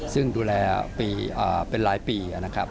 ซึ่งดูแลเป็นหลายปี